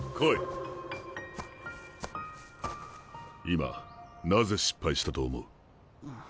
今なぜ失敗したと思う？